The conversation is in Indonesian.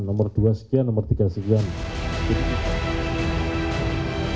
nomor dua sekian nomor tiga sekian